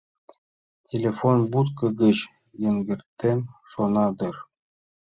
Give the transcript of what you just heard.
Телефон будко гыч йыҥгыртем шона дыр.